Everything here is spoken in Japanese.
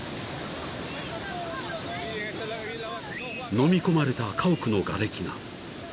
［のみ込まれた家屋のがれきが］